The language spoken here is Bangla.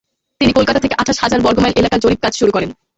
তিনি কলকাতা থেকে আঠাশ হাজার বর্গমাইল এলাকা জরিপকাজ শুরু করেন।